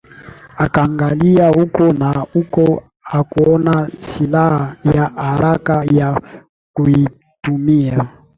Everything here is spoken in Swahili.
Akaangalia huku na huko hakuona silaha ya haraka ya kuitumia